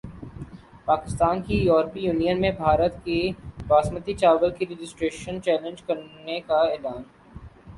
پاکستان کا یورپی یونین میں بھارت کی باسمتی چاول کی رجسٹریشن چیلنج کرنیکا اعلان